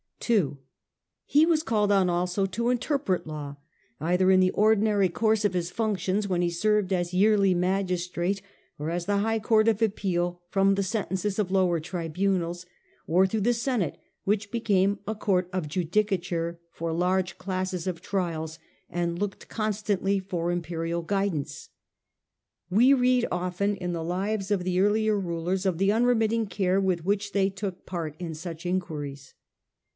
2. He was called on also to interpret law, either in the ordinary course of his functions when he served as yearly magistrate, or as the high court of appeal from the sentences of lower tribunals, prets the or through the Senate, which became a court of judicature for large classes of trials and looked con stantly for imperial guidance. We read often in the lives of the earlier rulers of the unremitting care with which they took part in such inquiries.